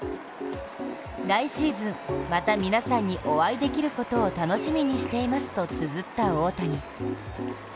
「来シーズン、また皆さんにお会いできることを楽しみにしています」とつづった大谷。